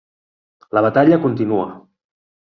La batalla continua...